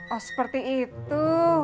oh seperti itu